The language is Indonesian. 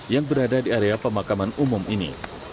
yang berada di area pemakaman umum ini